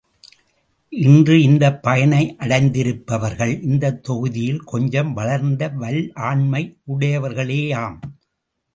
இன்று இந்தப் பயனை அடைந்திருப்பவர்கள் இந்தத் தொகுதியில் கொஞ்சம் வளர்ந்த வல்லாண்மையுடையவர்களேயாம்.